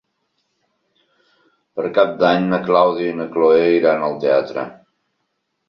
Per Cap d'Any na Clàudia i na Cloè iran al teatre.